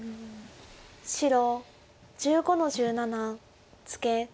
白１５の十七ツケ。